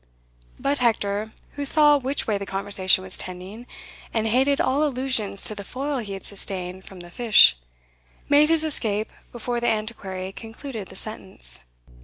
But Hector, who saw which way the conversation was tending, and hated all allusions to the foil he had sustained from the fish, made his escape before the Antiquary concluded the sentence.